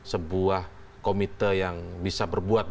sebuah komite yang bisa berbuat